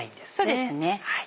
そうですね。